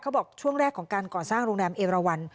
บอกช่วงแรกของการก่อสร้างโรงแรมเอราวัน